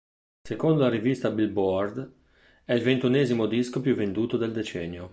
Secondo la rivista "Billboard" è il ventunesimo disco più venduto del decennio.